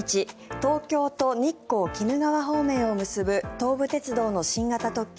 東京と日光・鬼怒川方面を結ぶ東武鉄道の新型特急